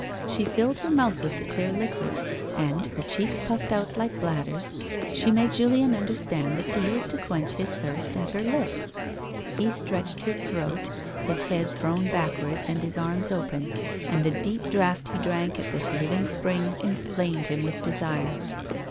She filled her mouth with the clear liquid, and, her cheeks puffed out like bladders, she made Julien understand that he was to quench his thirst at her lips. He stretched his throat, his head thrown backwards and his arms open, and the deep drauglit he drank at this living spring enflamed him witli desire.